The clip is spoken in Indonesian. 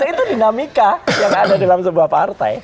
itu dinamika yang ada dalam sebuah partai